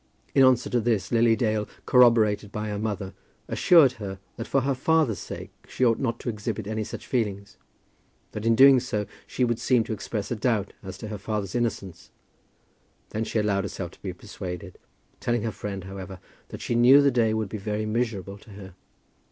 In answer to this, Lily Dale, corroborated by her mother, assured her that for her father's sake she ought not to exhibit any such feeling; that in doing so, she would seem to express a doubt as to her father's innocence. Then she allowed herself to be persuaded, telling her friend, however, that she knew the day would be very miserable to her.